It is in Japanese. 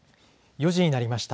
４時になりました。